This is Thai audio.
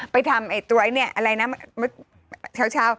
ไปทำตัวเนี่ยอะไรนะเช้า